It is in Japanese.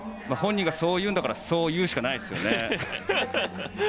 本人がそう言うんだからそう言うしかないですね。